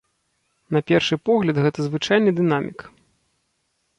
На першы погляд гэта звычайны дынамік.